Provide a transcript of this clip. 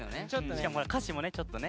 しかもほら歌詞もねちょっとね